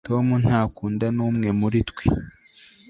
tom ntakunda n'umwe muri twe